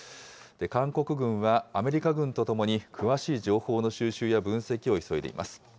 韓国軍は、アメリカ軍とともに詳しい情報の収集や分析を急いでいます。